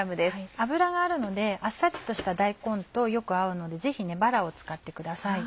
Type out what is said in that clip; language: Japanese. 脂があるのであっさりとした大根とよく合うのでぜひバラを使ってください。